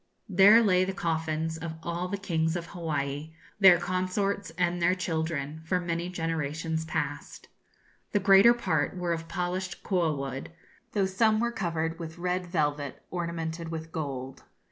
There lay the coffins of all the kings of Hawaii, their consorts, and their children, for many generations past. The greater part were of polished koa wood, though some were covered with red velvet ornamented with gold.